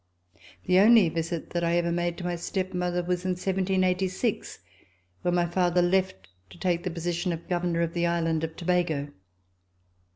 The only visit that I ever made to my stepmother was in 1786, when my father left to take the position of Governor of the island of Tabago.